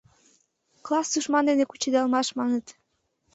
Класс тушман дене кучедалмаш маныт.